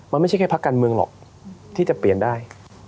มันไม่ใช่แค่พักการเมืองหรอกที่จะเปลี่ยนได้